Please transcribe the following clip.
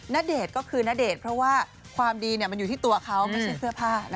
ณเดชน์ก็คือณเดชน์เพราะว่าความดีมันอยู่ที่ตัวเขาไม่ใช่เสื้อผ้า